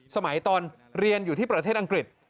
ตอนเรียนอยู่ที่ประเทศอังกฤษ